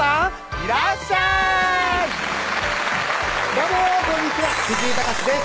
どうもこんにちは藤井隆です